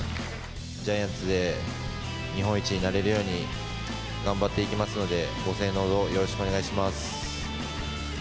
ジャイアンツで日本一になれるように頑張っていきますので、ご声援のほどよろしくお願いします。